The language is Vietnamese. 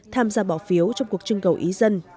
tham gia bỏ phiếu trong cuộc trưng cầu ý dân